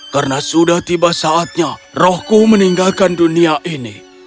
karena sudah tiba saatnya rohku meninggalkan dunia ini